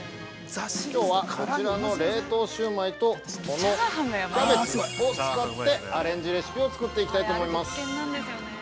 きょうは、こちらの冷凍シューマイと、このキャベツを使って、アレンジレシピを作っていきたいと思います。